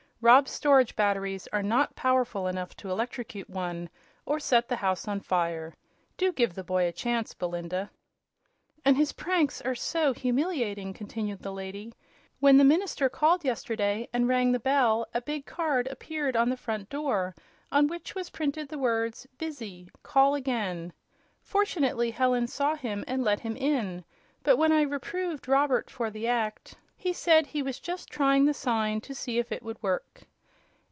"Rob's storage batteries are not powerful enough to electrocute one or set the house on fire. Do give the boy a chance, Belinda." "And the pranks are so humiliating," continued the lady. "When the minister called yesterday and rang the bell a big card appeared on the front door on which was printed the words: 'Busy; Call Again.' Fortunately Helen saw him and let him in, but when I reproved Robert for the act he said he was just trying the sign to see if it would work."